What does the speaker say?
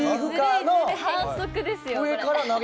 反則ですよこれ。